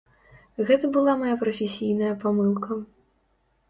Гэта была мая прафесійная памылка!